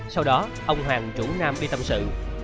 sau đó ông hoàng chủ nam đi tâm sự